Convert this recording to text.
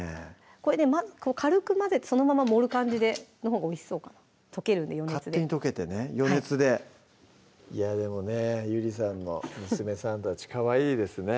これで軽く混ぜてそのまま盛る感じでのほうがおいしそうかな溶けるんで余熱で勝手に溶けてね余熱でいやでもゆりさんの娘さんたちかわいいですね